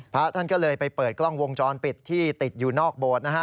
พระท่านก็เลยไปเปิดกล้องวงจรปิดที่ติดอยู่นอกโบสถ์นะฮะ